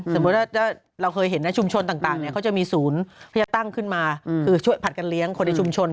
สมมุติว่าเราเคยเห็นนะชุมชนต่างเขาจะมีศูนย์ที่จะตั้งขึ้นมาคือช่วยผัดกันเลี้ยงคนในชุมชน